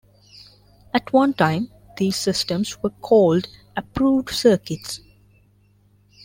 At one time these systems were called "approved circuits".